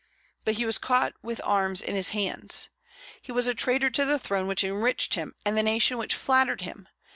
But he was caught with arms in his hands. He was a traitor to the throne which enriched him and the nation which flattered him.